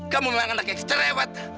kamu memang anak yang kerewat